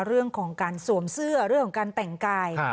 เรื่องของการสวมเสื้อเรื่องของการแต่งกาย